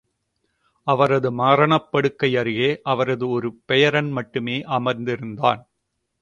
அவரது மரணப் படுக்கை அருகே அவரது ஒரு பெயரன் மட்டுமே அமர்ந்திருந்தான்.